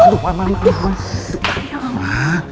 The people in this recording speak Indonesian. aduh aduh mama